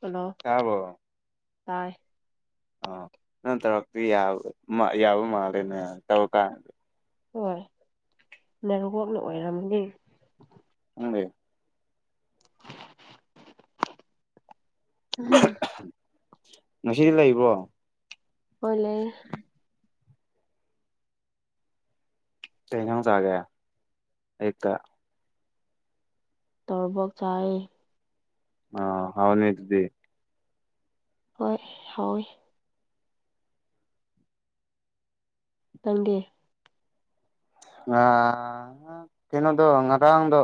hello ꯇꯥꯕꯣ ꯇꯥꯏ ꯑꯣ ꯅꯪ ꯇꯧꯔꯛꯇ ꯌꯥꯕ ꯃꯥꯜꯂꯦꯅꯦ ꯇꯧꯔꯀꯥꯟꯗ ꯍꯣꯏ ꯅꯔꯨꯣꯛꯅ ꯑꯣꯏꯔꯝꯅꯤ ꯅꯪꯗꯤ [unintelligible] ꯑ ꯉꯁꯤꯗꯤ ꯂꯩꯕ꯭ꯔꯣ ꯍꯣ ꯂꯩ ꯇꯩꯅ ꯆꯒꯦ ꯑꯩ ꯇ ꯇꯣꯔꯕꯣꯛ ꯆꯥꯏ ꯑ ꯍꯥꯎꯅꯦ ꯑꯗꯨꯗꯤ ꯍꯣꯏ ꯍꯥꯎꯋꯏ ꯇꯪꯗꯦ ꯑ ꯀꯩꯅꯣꯗ ꯉꯔꯥꯡꯗ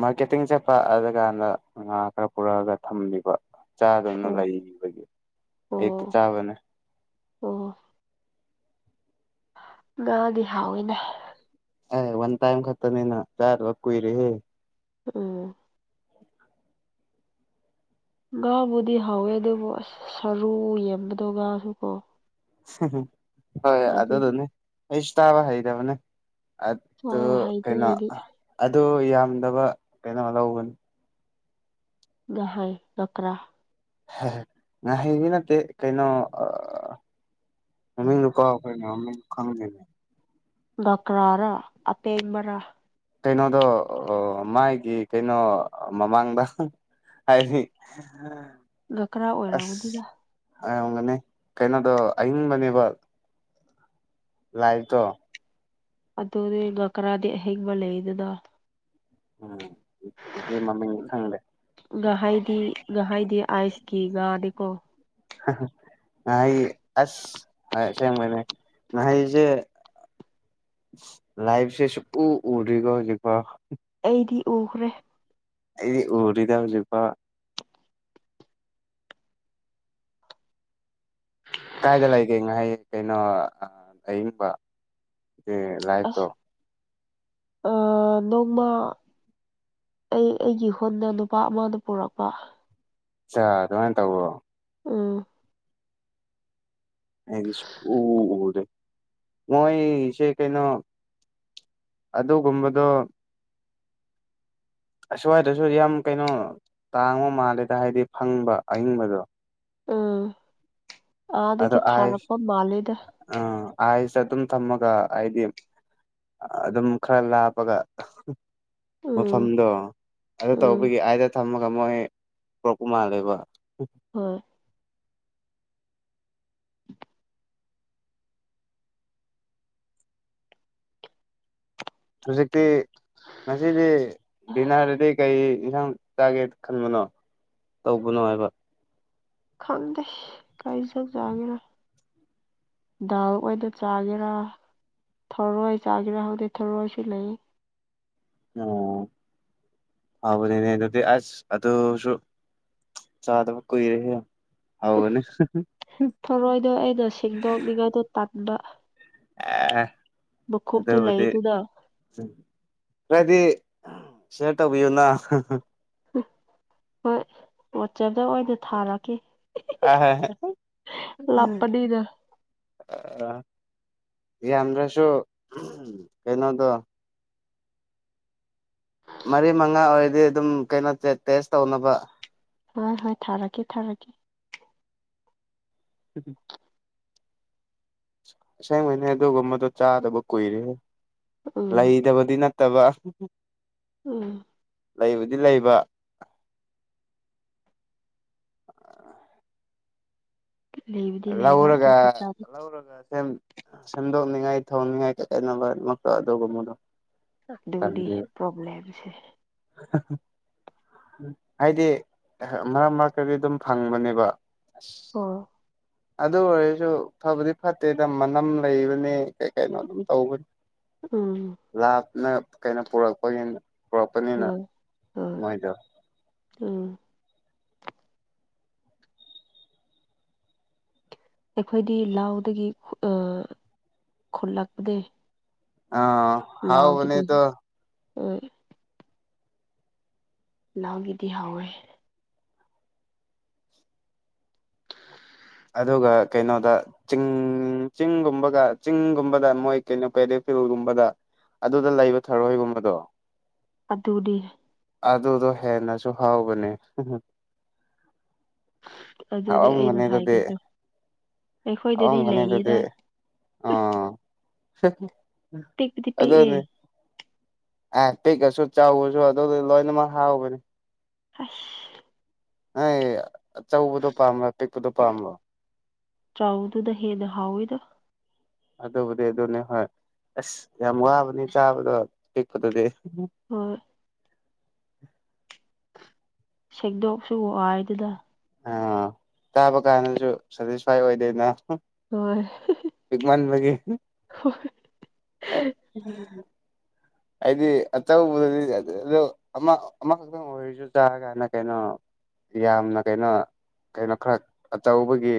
ꯃꯥꯔꯀꯦꯇꯤꯡ ꯆꯠꯄ ꯑꯗꯨꯀꯥꯟꯗ ꯉꯥ ꯈꯔ ꯄꯨꯔꯛꯑꯒ ꯊꯝꯕꯤꯕ ꯆꯥꯗꯅ ꯑꯣ ꯂꯩꯕꯒꯤ ꯑꯣ ꯍꯦꯛꯇ ꯆꯥꯕꯅꯦ ꯑꯣ ꯉꯥꯗꯤ ꯍꯥꯎꯋꯤꯅꯦ ꯑ ꯋꯥꯟ ꯇꯥꯏꯝ ꯈꯠꯇꯅꯤꯅ ꯆꯥ ꯋꯥ ꯀꯨ ꯏꯔꯤ ꯎꯝ ꯉꯥꯕꯨꯗꯤ ꯍꯥꯎꯋꯦ ꯑꯗꯨꯕꯨ ꯑꯁ ꯁꯔꯨ ꯌꯦꯟꯕꯗꯣ ꯉꯁꯨ ꯀꯣ ꯍꯣꯏ ꯑꯗꯨꯒꯤ ꯑꯗꯨꯗꯨꯅꯦ ꯑꯩꯁꯨ ꯇꯥꯕ ꯍꯩꯔꯕꯅꯦ ꯑꯗꯨ ꯆꯥꯕ ꯍꯩꯇꯦ ꯀꯩꯅꯣ ꯑꯩꯗꯤ ꯑꯗꯨ ꯌꯥꯝꯗꯕ ꯀꯩꯅꯣ ꯂꯧꯕꯅꯤ ꯍꯥꯏ ꯗꯛ꯭ꯔꯥ ꯍ ꯉꯥꯏꯍꯥꯛꯒꯤ ꯅꯠꯇꯦ ꯀꯩꯅꯣ ꯃꯃꯤꯡꯗꯨ ꯀꯥꯎ ꯑꯩꯈꯣꯏꯅ ꯈꯪꯗꯦꯅꯦ ꯒꯀ꯭ꯔꯥꯔꯥ ꯑꯇꯦꯝꯃꯔꯥ ꯀꯩꯅꯣꯗꯣ ꯃꯥꯒꯤ ꯀꯩꯅꯣ ꯃꯃꯥꯡꯗ ꯍꯥꯏꯗꯤ ꯂꯨꯈ꯭ꯔꯥ ꯑꯣꯏꯔꯝꯒꯅꯤꯗ ꯑꯝꯒꯅꯤ ꯀꯩꯅꯣꯗꯣ ꯑꯏꯤꯡꯕꯅꯦꯕ ꯂꯥꯏꯇꯣ ꯑꯗꯨꯗꯤꯒ ꯀꯔꯥꯗꯤ ꯑꯍꯤꯡꯕ ꯂꯩꯗꯅ ꯎꯝ ꯃꯃꯤꯡ ꯊꯪꯂꯦ ꯉꯍꯥꯏꯗꯤ ꯉꯍꯥꯏꯗꯤ ꯑꯥꯏꯁꯀꯤ ꯉꯥꯗꯤꯦꯀꯣ ꯉ ꯑꯁꯁꯦꯡꯕꯅꯦꯁꯨ ꯂꯥꯏꯐꯁꯦ ꯁꯨꯛꯎ ꯎꯗ꯭ꯔꯤꯒꯣ ꯍꯧꯖꯤꯛꯀ ꯑꯩꯗꯤ ꯎꯈ꯭ꯔꯦ ꯑꯩꯗꯤ ꯎꯗ꯭ꯔꯤꯗ ꯍꯧꯖꯤꯛꯐꯥꯎ ꯎ ꯀꯥꯏꯗ ꯂꯩꯒꯦ ꯉꯥꯏꯍꯥꯏ ꯀꯩꯅꯣ ꯑꯌꯤꯡꯕ ꯂꯥꯏꯐꯇꯣ ꯑꯁ ꯑ ꯅꯣꯡꯃ ꯑꯩ ꯑꯩꯒꯤ ꯍꯨꯟꯅ ꯅꯨꯄꯥ ꯑꯃꯅ ꯄꯨꯔꯛꯄ ꯑꯆꯥ ꯑꯗꯨꯃꯥꯏꯅ ꯇꯧꯕꯋꯣ ꯎꯝ ꯍꯥꯏ ꯎꯗꯦ ꯃꯣꯏꯁꯦ ꯀꯩꯅꯣ ꯑꯗꯨ ꯀꯨꯝꯕꯗꯣ ꯑꯁ꯭ꯋꯥꯏꯗꯁꯨ ꯌꯥꯝ ꯀꯩꯅꯣ ꯇꯥꯡꯕ ꯃꯥꯜꯂꯦꯗ ꯍꯥꯏꯗꯤ ꯐꯪꯕ ꯑꯏꯤꯡꯕꯗꯣ ꯎꯝ ꯑꯗꯒꯤꯗꯒꯤ ꯊꯥꯔꯄ ꯃꯥꯂꯦꯗ ꯑ ꯍꯥꯏꯁꯦ ꯑꯗꯨꯝ ꯊꯝꯃꯒ ꯍꯥꯏꯗꯤ ꯑꯗꯨꯝ ꯈꯔ ꯂꯥꯞꯄꯒ ꯎꯝ ꯃꯐꯝꯗꯣ ꯑꯗꯨ ꯎꯝ ꯇꯧꯕꯒꯤ ꯑꯗ ꯊꯝꯃꯒ ꯃꯣꯏ ꯄꯨꯔꯛꯄ ꯃꯥꯜꯂꯦꯕ ꯍꯣꯏ [inaudible] ꯍꯨꯖꯤꯛꯇꯤ ꯉꯁꯤꯗꯤ ꯚꯅꯥꯔꯗꯗꯤ ꯀꯩ ꯌꯦꯟꯁꯥꯡ ꯆꯥꯒꯦ ꯈꯟꯕꯅꯣ ꯇꯧꯕꯅꯣ ꯍꯥꯏꯕ ꯈꯪꯗꯦ ꯀꯥꯏꯖꯥꯒꯦꯔ ꯗꯥꯜ ꯑꯣꯏꯗ ꯆꯥꯒꯦꯔꯥ ꯊꯧꯔꯣꯏ ꯆꯥꯒꯦꯔꯥ ꯍꯧꯗꯤ ꯊꯧꯔꯣꯏꯁꯨ ꯂꯩ ꯑꯣ ꯍꯕꯅꯦꯅꯦ ꯑꯗꯨꯗꯤ ꯑꯁ ꯑꯗꯨ ꯑꯗꯨꯁꯨ ꯆꯥꯗꯕ ꯀꯨꯏꯔꯦꯍꯦ ꯍꯥꯎꯒꯅꯤ ꯊꯥꯔꯣꯏꯗꯣ ꯑꯩꯅ ꯁꯦꯡꯗꯣꯛꯅꯤꯡꯉꯥꯏꯗꯣ ꯇꯟꯕ ꯑꯦ ꯃꯀꯨꯞꯇꯨ ꯑꯗꯨꯕꯨꯗꯤ ꯂꯩꯗꯨꯅ ꯈꯔꯗꯤ ꯁꯦꯌꯔ ꯇꯧꯕꯤꯌꯨꯅ ꯎ ꯍꯣꯏ ꯋꯥꯆꯦꯞꯇ ꯑꯣꯏꯅꯗ ꯊꯥꯔꯛꯀꯦ ꯑꯍꯥ ꯂꯥꯞꯄꯅꯤꯅ ꯌꯥꯝꯗ꯭ꯔꯁꯨ ꯀꯩꯅꯣꯗꯣ ꯃꯔꯤ ꯃꯉꯥ ꯑꯣꯏꯔꯗꯤ ꯑꯗꯨꯝ ꯀꯩꯅꯣ ꯇꯦꯁ ꯇꯧꯅꯕ ꯍꯣꯏ ꯍꯣꯏ ꯊꯥꯔꯛꯀꯦ ꯊꯥꯔꯛꯀꯦ ꯎꯝ ꯁꯦꯡ ꯈꯅꯦ ꯑꯗꯨꯒꯨꯝ ꯃꯗꯣ ꯆꯥꯗꯕ ꯀꯨꯏꯔꯦ ꯎꯝ ꯂꯩꯇꯕꯗꯤ ꯅꯠꯇꯕ ꯎꯝ ꯂꯩꯕꯨꯗꯤ ꯂꯩꯕ ꯂꯩꯕꯨꯗꯤ ꯂꯩꯕ ꯂꯧꯔꯒ ꯑꯗꯨꯒꯤ ꯆꯥꯕ ꯂꯧꯔꯒ ꯁꯦꯝ ꯁꯦꯝꯗꯣꯛꯅꯤꯡꯉꯥꯏ ꯊꯣꯡꯅꯤꯡꯉꯥꯏ ꯀꯠꯗꯠꯅꯕꯃꯛꯇꯣ ꯑꯗꯨꯒꯨꯝ ꯃꯗꯣ ꯗꯔꯤ ꯄꯣꯕ꯭ꯂꯂꯦꯝꯂꯦꯝꯁꯦ ꯎ ꯎ ꯍꯥꯏꯗꯤ ꯃꯔꯛ ꯃꯔꯛꯇꯗꯤ ꯑꯗꯨꯝ ꯐꯪꯕꯅꯦꯕ ꯑ ꯑꯣ ꯑꯗꯨ ꯑꯣꯏꯔꯁꯨ ꯐꯕꯗꯤ ꯐꯠꯇꯦꯗ ꯃꯅꯝ ꯂꯩꯕꯅꯦ ꯀꯩꯅꯣ ꯑꯗꯨꯝ ꯇꯧꯕꯅꯤ ꯎꯝ ꯂꯥꯞꯅ ꯀꯩꯅꯣ ꯄꯨꯔꯛꯄꯒꯤꯅ ꯍ ꯍꯣꯏ ꯎꯝ ꯑꯩꯈꯣꯏꯗꯤ ꯂꯥꯎꯗꯒꯤ ꯈꯨꯠꯂꯛꯄꯅꯦ ꯑꯥ ꯍꯥꯎꯕꯅꯦꯗꯣ ꯂꯥꯎꯒꯤꯗꯤꯌꯦ ꯎ ꯂꯥꯎꯒꯤꯗꯤ ꯍꯥꯎꯋꯦ ꯑꯗꯨꯒ ꯀꯩꯅꯣꯗ ꯆꯤꯡ ꯆꯤꯡꯒꯨꯝꯕꯒ ꯆꯤꯡꯒꯨꯝꯕꯗ ꯃꯣꯏ ꯀꯩꯅꯣ ꯀꯦꯗ ꯐꯤꯜꯒꯨꯝꯕꯗ ꯑꯗꯨꯗ ꯂꯩꯕ ꯊꯔꯣꯏꯒꯨꯝꯕꯗꯣ ꯑꯗꯨꯗꯤ ꯑꯗꯨꯗꯣ ꯍꯦꯟꯅꯁꯨ ꯍꯥꯎꯕꯅꯦ ꯑꯗꯨꯗꯤ ꯑꯩꯅꯣ ꯍꯥꯎꯔꯝꯒꯅꯤ ꯑꯗꯨꯗꯤ ꯍꯥꯏꯕꯁꯨ ꯑꯩꯈꯣꯏꯗꯗꯤ ꯍꯥꯎꯔꯝꯒꯅꯤ ꯑꯗꯨꯗꯤ ꯂꯩꯌꯦꯗ ꯑꯥ ꯄꯤꯛꯄꯗꯤ ꯄꯤꯛꯑꯦ ꯑ ꯄꯤꯛꯀꯁꯨ ꯆꯥꯎꯕꯁꯨ ꯑꯗꯨ ꯂꯣꯏꯅꯃꯛ ꯍꯥꯎꯕꯅꯦ ꯍꯁ ꯅꯣꯏ ꯑꯆꯧꯕꯗꯣ ꯄꯥꯝꯕ꯭ꯔꯣ ꯄꯤꯛꯄꯗꯣ ꯄꯥꯝꯕ꯭ꯔꯣ ꯆꯥꯎꯗꯨꯗ ꯍꯦꯟꯅ ꯍꯥꯎꯣꯏꯗ ꯑꯗꯨꯕꯨꯗꯤ ꯑꯗꯨꯅꯦ ꯍꯣꯏ ꯑꯁ ꯌꯥꯝ ꯋꯥꯕꯅꯤ ꯆꯥꯕꯗꯣ ꯄꯤꯛꯄꯗꯗꯤ ꯍꯣꯏ ꯁꯦꯡꯗꯣꯛ ꯁ ꯍꯥꯏꯗꯨꯗ ꯑꯥ ꯇꯥꯕ ꯀꯥꯟꯗꯁꯨ ꯁꯦꯇꯤꯁꯐꯥꯏ ꯑꯣꯏꯗꯣꯏꯅ ꯍꯣꯏ ꯄꯤꯛꯃꯟꯕꯒꯤ ꯍꯥꯏꯗꯤ ꯑꯆꯧꯕꯗꯗꯤ ꯑ ꯑꯃ ꯑꯃꯈꯛꯇꯪ ꯑꯣꯏꯔꯁꯨ ꯆꯥ ꯀꯥꯟꯗ ꯀꯩꯅꯣ ꯌꯥꯝꯅ ꯀꯩꯅꯣ ꯀꯩꯅꯣ ꯈꯔ ꯑꯆꯧꯕꯒꯤ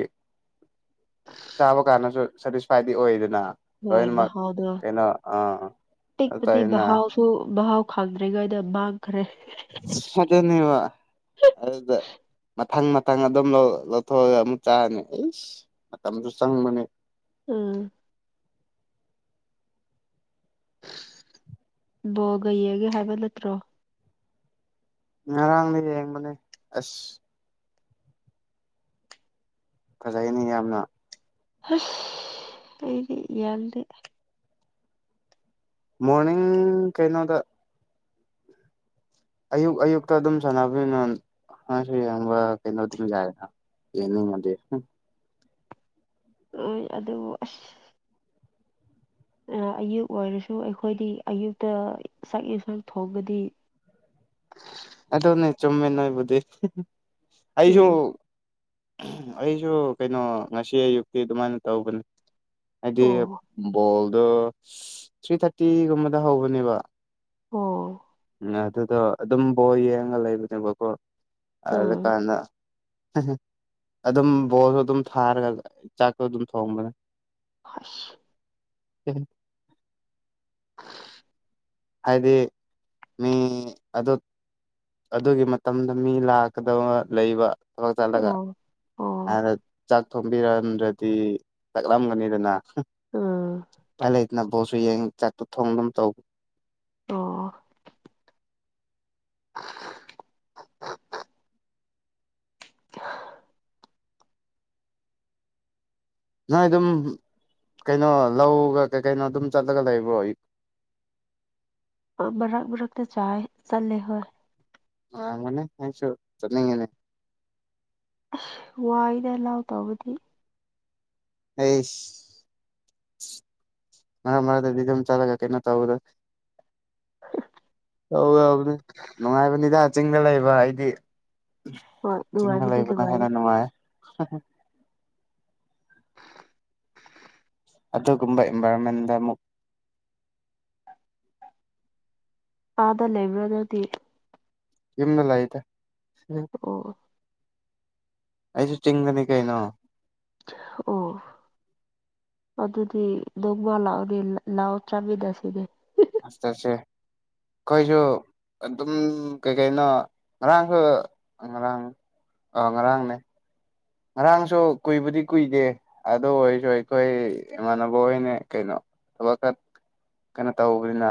ꯆꯥꯕ ꯀꯥꯟꯗꯁꯨ ꯁꯦꯇꯤꯁꯐꯥꯏꯗꯤ ꯑꯣꯏꯗꯅ ꯍꯣꯏ ꯂꯣꯏꯅꯃꯛ ꯀꯩꯅꯣ ꯑꯥ ꯑꯗꯨ ꯑꯄꯤꯛꯄꯗꯤ ꯇꯧꯋꯦꯅ ꯃꯍꯥꯎꯁꯨ ꯃꯍꯥꯎ ꯈꯪꯗ꯭ꯔꯤꯉꯩꯗ ꯃꯥꯡꯈ꯭ꯔꯦ ꯑꯗꯨꯅꯦꯕ ꯑꯗꯨꯗ ꯃꯊꯪ ꯃꯊꯪ ꯑꯗꯨꯝ ꯂꯧꯊꯣꯛꯑꯒ ꯑꯃꯨꯛ ꯆꯥꯔꯅꯤ ꯑꯦꯁ ꯃꯇꯝꯁꯨ ꯆꯪꯕꯅꯦ ꯎꯝ ꯕꯣꯜꯒ ꯌꯦꯡꯉꯦ ꯍꯥꯏꯕ ꯅꯠꯇ꯭ꯔꯣ ꯉꯔꯥꯡꯅꯦ ꯌꯦꯡꯕꯅꯦ ꯑꯁ ꯐꯖꯩꯅꯦ ꯌꯥꯝꯅ ꯑꯩꯗꯤ ꯌꯥꯗ ꯃꯣꯔꯅꯤꯡ ꯀꯩꯅꯣꯗ ꯑꯌꯨꯛ ꯑꯌꯨꯛꯇ ꯑꯗꯨꯝ ꯁꯥꯟꯅꯕꯅ ꯌꯦꯡꯕ ꯀꯩꯅꯣ ꯑꯗꯨꯝ ꯌꯥꯏ ꯆꯦꯅꯤ ꯃ ꯍꯣꯏ ꯑꯗꯨꯕꯨ ꯑꯁ ꯑꯌꯨꯛ ꯑꯣꯏꯔꯁꯨ ꯑꯩꯈꯣꯏꯗꯤ ꯑꯌꯨꯛꯇ ꯆꯥꯛ ꯌꯦꯟꯁꯥꯡ ꯊꯣꯡꯕꯗꯤ ꯑ [unintelligible] ꯑꯗꯣ ꯅ ꯆꯨꯝꯃꯦ ꯅꯕꯨ ꯑꯩꯁꯨ ꯎꯝ ꯑꯩꯁꯨ ꯀꯩꯅꯣ ꯉꯁꯤ ꯑꯌꯨꯛꯇꯤ ꯑꯗꯨꯃꯥꯏꯅ ꯇꯧꯕꯅꯦ ꯍꯥꯏꯗꯤ ꯑꯣ ꯕꯣꯜꯗꯣ ꯊ꯭ꯔꯤ ꯊꯥꯔꯇꯤꯒꯨꯝꯕꯗ ꯍꯧꯕꯅꯦꯕ ꯑꯣ ꯎ ꯑꯗꯨꯗꯣ ꯑꯗꯨꯝ ꯕꯣꯔ ꯌꯦꯡꯉ ꯂꯩꯕꯅꯦꯕꯀꯣ ꯎꯝ ꯑꯗꯨꯀꯥꯟꯗ ꯑꯗꯨꯝ ꯕꯣꯔꯁꯨ ꯑꯗꯨꯝ ꯊꯥꯔꯒ ꯆꯥꯛꯁꯨ ꯑꯗꯨꯝ ꯊꯣꯡꯕꯅꯦ ꯑ [unintelligible] [unintelligible] [unintelligible] ꯍꯥꯏꯗꯤ ꯃꯤ ꯑꯗꯨ ꯑꯗꯨꯒꯤ ꯃꯇꯝꯗ ꯃꯤ ꯂꯥꯛꯀꯗꯕ ꯂꯩꯕ ꯊꯕꯛ ꯑꯣ ꯑꯣ ꯆꯠꯂꯒꯅ ꯆꯥꯛ ꯊꯣꯡꯕꯤꯔꯝꯗ꯭ꯔꯗꯤ ꯆꯥꯛꯂꯝꯂꯝꯒꯅꯤꯗꯅ ꯎꯝ ꯂꯩ ꯕꯣꯁꯁꯨ ꯌꯦꯡ ꯆꯥꯛ ꯊꯣꯡꯗꯨꯅ ꯇꯧꯕ ꯑꯣ [unintelligible] [unintelligible] ꯅꯣꯏ ꯑꯗꯨꯝ ꯀꯩꯅꯣ ꯂꯧꯒ ꯀꯩ ꯀꯩꯅꯣ ꯑꯗꯨꯝ ꯆꯠꯂꯒ ꯂꯩꯕ꯭ꯔꯣ ꯕꯔꯛ ꯃꯔꯛꯇ ꯆꯥꯏ ꯆꯠꯂꯦ ꯍꯣꯏ ꯑ ꯃꯅꯦ ꯅꯁꯨꯣ ꯆꯅꯤꯡꯦꯅꯦ ꯁ ꯋꯥꯏꯗ ꯑꯂꯥꯎ ꯇꯧꯕꯗꯤ ꯑꯩ ꯃꯔ ꯃꯔ ꯇꯗꯤ ꯑꯗꯨꯝ ꯆꯂꯒ ꯀꯩꯅꫭ ꯇꯧꯕꯗ [unintelligible] ꯅꯨꯡꯉꯥꯏꯕꯅꯤꯗꯥ ꯆꯤꯡꯗ ꯂꯩꯕ ꯑꯩꯗꯤ ꯍꯣꯏ ꯆꯤꯡꯗ ꯅꯨꯡꯉꯥꯏꯕꯗꯤ ꯂꯩꯕꯅ ꯍꯦꯟꯅ ꯅꯨꯡꯉꯥꯏ ꯑꯗꯨꯒꯨꯝꯕ ꯑꯦꯟꯚꯥꯏꯔꯣꯟꯃꯦꯟꯗ ꯑꯃꯨꯛ ꯑꯥꯗ ꯂꯩꯕ꯭ꯔ ꯅꯪꯗꯤ ꯌꯨꯝꯗ ꯂꯩꯗ ꯑꯣ ꯑꫭ ꯑꯩꯁꯨ ꯆꯤꯡꯗꯅꯦ ꯀꯩꯅꯣ ꯎꯝ ꯑꯗꯨꯗꯤ ꯅꫭꯡꯃ ꯂꯥꯛꯑꫭꯅꯦ ꯂꯥꯛꯑꯣ ꯆꯥꯃꯤꯟꯅꯁꯤꯅꯦ ꯑꯁꯁꯦ ꯀꯣꯏꯁꯨꯣ ꯑꯗꯨꯝ ꯀꯩꯀꯩꯅꯣ ꯉꯔꯥꯡꯁꯨ ꯉꯔꯥꯡ ꯑꯥ ꯉꯔꯥꯡꯅꯦ ꯉꯔꯥꯡꯁꯨ ꯀꯨꯏꯕꯨꯗꯤ ꯀꯨꯏꯗꯦ ꯑꯗꯨ ꯑꯣꯏꯔꯁꯨ ꯑꯩꯈꯣꯏ ꯏꯃꯥꯟꯅꯕ ꯑꯣꯏꯅ ꯀꯩꯅꯣ ꯊꯕꯛ ꯀꯩꯅꯣ ꯇꯧꯕꯅꯤꯅ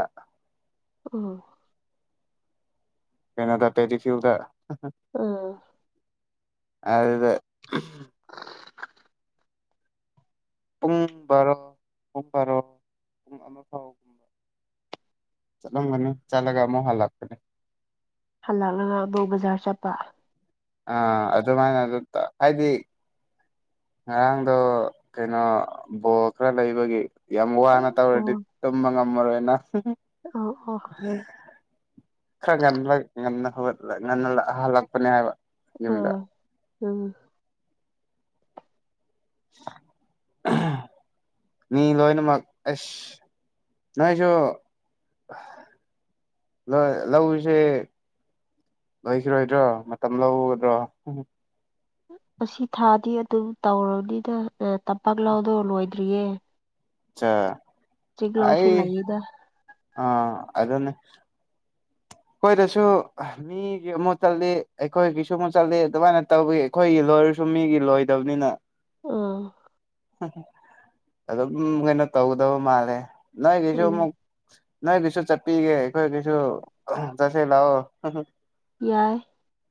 ꯑꯣ ꯀꯩꯅꯣꯗ ꯇꯦꯔꯤꯐ꯭ꯌꯨꯗ ꯎꯝ ꯑꯗꯨꯗ [inaudible] ꯄꯨꯡ ꯕꯥꯔꯣ ꯄꯨꯡ ꯕꯥꯔꯣ ꯄꯨꯡ ꯑꯃ ꯐꯥꯎꯒꯨꯝꯕ ꯆꯠꯂꯝꯒꯅꯤ ꯆꯠꯂꯒ ꯑꯃꯨ ꯍꯥꯜꯂꯥꯛꯀꯅꯦ ꯍꯜꯂꯛꯅꯒ ꯑꯃꯕꯣꯛ ꯕꯖꯥꯔ ꯆꯠꯄ ꯑ ꯑꯗꯨꯃꯥꯏꯅ ꯑꯗꯨꯝ ꯍꯥꯏꯗꯤ ꯉꯔꯥꯡꯗꯣ ꯀꯩꯅꯣ ꯕꯣꯜ ꯈꯔ ꯂꯩꯕꯒꯤ ꯌꯥꯝ ꯋꯥꯅ ꯑꯣ ꯇꯧꯔꯗꯤ ꯇꯨꯝꯕ ꯉꯝꯃꯔꯣꯏꯅ ꯑꯣ ꯑꯣ ꯑꯣ ꯈꯔ ꯉꯟꯕ ꯉꯟꯅ ꯍꯧꯛꯠꯂꯒ ꯉꯟꯅ ꯍꯜꯂꯛꯄꯅꯦ ꯍꯥꯏꯕ ꯌꯨꯝꯗ ꯑꯥ ꯎꯝ ꯃꯤ ꯂꯣꯏꯅꯃꯛꯃꯛ ꯑꯦꯁ ꯅꯁꯨꯣ ꯂꯧꯁꯦ ꯂꯣꯏꯁꯤꯔꯣꯏꯗ꯭ꯔꯣ ꯃꯇꯝ ꯂꯧꯒꯗ꯭ꯔꯣ ꯑꯁꯤ ꯊꯥꯗꯤ ꯑꯗꯨꯝ ꯇꯧꯔꯕꯅꯤꯗ ꯇꯝꯄꯥꯛ ꯂꯥꯎꯗꯧ ꯂꯣꯏꯗ꯭ꯔꯤꯌꯦ ꯆꯥ ꯆꯤꯒꯂꯣ ꯁꯨ ꯂꯩꯗ ꯑꯥ ꯑꯗꯨꯅꯦ ꯑꯈꫭꯏꯗꯁꯨ ꯃꯤꯒꯤ ꯑꯃꯨꯛ ꯆꯠꯂꯤ ꯑꯩꯈꯣꯏꯒꯤꯁꯨ ꯑꯃꯨꯛ ꯆꯠꯂꯤ ꯑꯗꯨꯃꯥꯏꯅ ꯇꯧꯋꯤ ꯑꯩꯈꯣꯏꯒꯤ ꯂꯣꯏꯔꯁꯨ ꯃꯤꯒꯤ ꯂꯣꯏꯗꯕꯅꯤꯅ ꯎꯝ ꯑꯗꯨꯝ ꯀꯩꯅꯣ ꯇꯧꯒꯗꯕ ꯃꯥꯜꯂꯦ ꯅꯣꯏꯒꯤꯁꯨ ꯎꯝ ꯑꯃꯨꯛ ꯅꯣꯏ ꯀꯩꯁꯨ ꯆꯠꯄꯤꯒꯦ ꯑꯩꯈꯣꯏ ꯀꯩꯁꯨ ꯆꯠꯁꯤ ꯂꯥꯛꯑꯣ ꯌꯥꯏ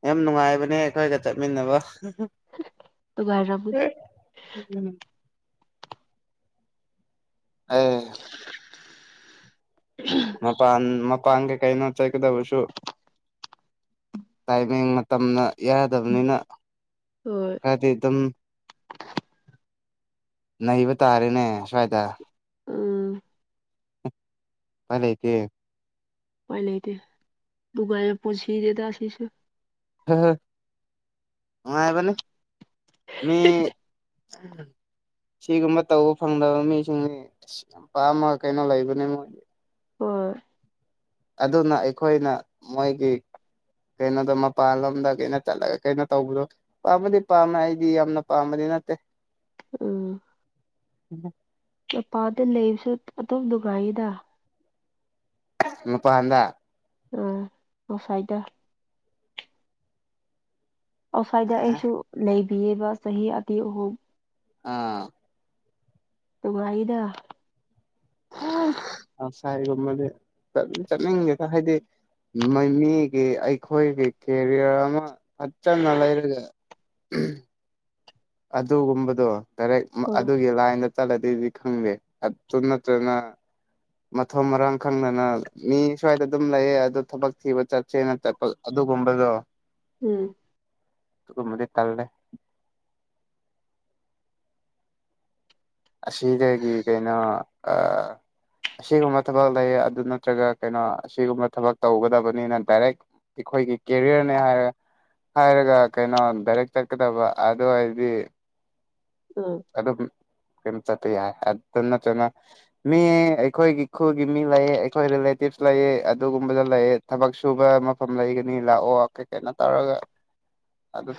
ꯌꯥꯝ ꯅꯨꯡꯉꯥꯏꯕꯅꯦ ꯑꯩꯈꯣꯏꯒ ꯆꯠꯃꯤꯟꯅꯕ ꯅꯨꯒꯥꯏꯔꯝꯒꯅꯤ ꯎꯝ ꯑꯦ [inaudible] ꯃꯄꯥꯟ ꯃꯄꯥꯡꯒꯩ ꯀꯩꯅꯣ ꯆꯠꯒꯗꯕꯁꯨ ꯇꯥꯏꯃꯤꯡ ꯃꯇꯝꯗ ꯌꯥꯗꯕꯅꯤꯅ ꯍꯣꯏ ꯈꯔꯗꯤ ꯑꯗꯨꯝ ꯅꯩꯕ ꯇꯥꯔꯦꯅꯦ ꯁ꯭ꯋꯥꯏꯗ ꯎꯝ ꯄꯥꯏ ꯂꯩꯇꯦ ꯎꯄꯥꯏ ꯂꯩꯇꯦ ꯕꯨꯒꯥꯁꯦ ꯄꯨꯁꯤꯔꯦꯗ ꯁꯤꯁꯨ ꯍ ꯍ ꯅꯨꯡꯉꯥꯏꯕꯅꯤ ꯃꯤ ꯁꯤꯒꯨꯝꯕ ꯇꯧꯕ ꯐꯪꯗꯕ ꯃꯤꯁꯤꯡꯗꯤ ꯑꯁ ꯌꯥꯝꯄꯥꯥꯝꯃ ꯀꯩꯅꯣ ꯂꯩꯕꯅꯦ ꯃꯣꯏꯗꯤ ꯍꯣꯏ ꯑꯗꯨꯅ ꯑꯩꯈꯣꯏꯅ ꯃꯣꯏꯒꯤ ꯀꯩꯅꯣꯗꯣ ꯃꯄꯥꯟꯂꯣꯝꯗ ꯀꯩꯅꯣ ꯆꯠꯂꯒ ꯀꯩꯅꯣ ꯇꯧꯕꯗꯣ ꯄꯥꯝꯕꯗꯤ ꯄꯥꯝꯃꯦ ꯑꯩꯗꯤ ꯌꯥꯝꯅ ꯄꯥꯝꯕꯗꯤ ꯅꯠꯇꯦ ꯎꯝ [unintelligible] ꯀꯦꯄꯥꯥꯗ ꯂꯩꯕꯁꯨ ꯑꯗꯨꯝ ꯅꯨꯡꯉꯥꯏꯌꯦꯗꯥ ꯅꯨꯄꯥꯥꯟꯗ ꯑꯣ ꯉꯁꯥꯏꯗ ꯑꯁꯥꯏꯗ ꯑꯩꯁꯨ ꯂꯩꯕꯤꯌꯦꯕ ꯆꯍꯤ ꯑꯇꯦꯛ ꯑꯍꯨꯝ ꯑꯥ ꯐꯦꯕ꯭ꯋꯥꯔꯤꯗ ꯑꯁ ꯑꯥꯎꯠꯁꯥꯏꯠꯒꯨꯝꯕꯗꯤ ꯀꯔꯤꯝ ꯆꯠꯅꯤꯡꯗꯦꯗꯥ ꯍꯥꯏꯗꯤ ꯃꯃꯤꯒꯤ ꯑꯩꯈꯣꯏꯒꯤ ꯀꯦꯔꯤꯌꯔ ꯑꯃ ꯐꯖꯅ ꯂꯩꯔꯒ [unintelligible] ꯑꯗꯨꯒꯨꯝꯕꯗꯣ ꯗꯥꯏꯔꯦꯛ ꯃ ꯑꯣ ꯑꯗꯨꯒꯤ ꯂꯥꯏꯟꯗ ꯆꯠꯂꯗꯤꯗꯤ ꯈꯪꯗꯦ ꯑꯗꯨ ꯅꯠꯇ꯭ꯔꯅ ꯃꯊꯣꯡ ꯃꯔꯝ ꯈꯪꯗꯅ ꯃꯤ ꯁ꯭ꯋꯥꯏꯗ ꯑꯗꯨꯝ ꯂꯩꯌꯦ ꯑꯗꯣ ꯊꯕꯛ ꯊꯤꯕ ꯆꯠꯁꯦꯅ ꯆꯠꯄ ꯑꯗꯨꯒꯨꯝꯕꯗꯣ ꯎꯝ ꯑꯗꯨꯒꯨꯝꯕꯗꯤ ꯇꯜꯂꯦ ꯑꯁꯤꯗꯒꯤ ꯀꯩꯅꯣ [inaudible] ꯑꯁꯤꯒꯨꯝꯕ ꯊꯕꯛ ꯂꯩ ꯑꯗꯨ ꯅꯠꯇ꯭ꯔꯒ ꯀꯩꯅꯣ ꯑꯁꯤꯒꯨꯝꯕ ꯊꯕꯛ ꯇꯧꯒꯗꯕꯅꯤꯅ ꯗꯥꯏꯔꯦꯛ ꯑꯩꯈꯣꯏꯒꯤ ꯀꯦꯔꯤꯌꯔꯅꯦ ꯍꯥꯏꯔꯦ ꯍꯥꯏꯔꯒ ꯀꯩꯅꯣ ꯗꯥꯏꯔꯦꯛ ꯆꯠꯀꯗꯕ ꯑꯗꯨ ꯑꯣꯏꯔꯗꯤ [unintelligible] ꯑꯗꯨꯒꯤ ꯀꯩꯅꯣ ꯆꯠꯄ ꯌꯥꯏ ꯑꯗꯨ ꯅꯠꯇ꯭ꯔꯅ ꯃꯤ ꯑꯩꯈꯣꯏꯒꯤ ꯈꯨꯜꯒꯤ ꯃꯤ ꯂꯩꯌꯦ ꯑꯩꯈꯣꯏ ꯔꯤꯂꯦꯇꯤꯞꯁ ꯂꯩꯌꯦ ꯑꯗꯨꯒꯨꯝꯕꯗ ꯂꯩꯌꯦ ꯊꯕꯛ ꯁꯨꯕ ꯃꯐꯝ ꯂꯩꯒꯅꯤ ꯂꯥꯛꯑꯣ ꯈꯣꯏ ꯀꯩꯅꯣ ꯇꯧꯔꯒ ꯑꯗꯨ__